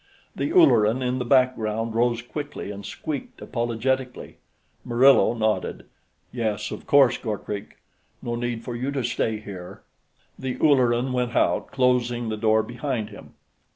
The Ulleran, in the background, rose quickly and squeaked apologetically. Murillo nodded. "Yes, of course, Gorkrink. No need for you to stay here." The Ulleran went out, closing the door behind him.